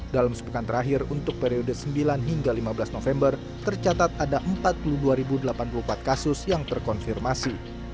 dalam sepekan terakhir untuk periode sembilan hingga lima belas november tercatat ada empat puluh dua delapan puluh empat kasus yang terkonfirmasi